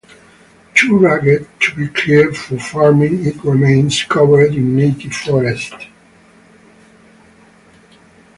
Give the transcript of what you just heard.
Too rugged to be cleared for farming it remains covered in native forest.